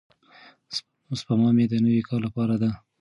سپما مې د نوي کار لپاره ده.